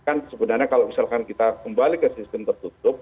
kan sebenarnya kalau misalkan kita kembali ke sistem tertutup